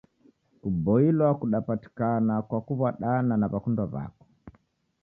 Kuboilwa kudapatikana kwa kuw'adana na w'akundwa w'ako.